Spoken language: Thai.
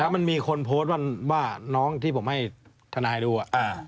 มันมีคนโพสต์ว่าน้องที่ผมให้ทนายดู